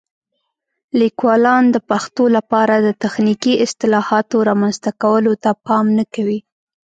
لیکوالان د پښتو لپاره د تخنیکي اصطلاحاتو رامنځته کولو ته پام نه کوي.